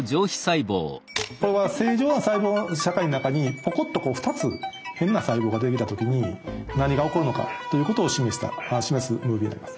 これは正常な細胞社会の中にポコッと２つ変な細胞が出てきた時に何が起こるのかということを示すムービーになります。